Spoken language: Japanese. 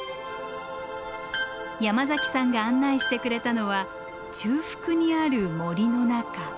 山崎さんが案内してくれたのは中腹にある森の中。